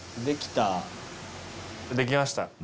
できました。